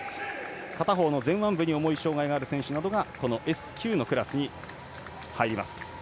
片方の前腕部に重い障がいがある選手などがＳ９に入ります。